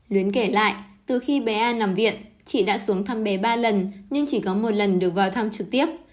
luyến kể lại từ khi bé an nằm viện chị đã xuống thăm bé ba lần nhưng chỉ có một lần được vào thăm trực tiếp